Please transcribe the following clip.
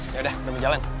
yaudah udah menjalankan